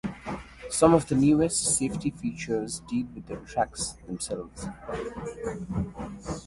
Some of the newest safety features deal with the tracks themselves.